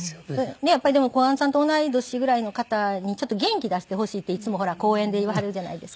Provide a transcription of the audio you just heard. やっぱりでも小雁さんと同い年ぐらいの方に元気出してほしいっていつもほら講演で言わはるじゃないですか。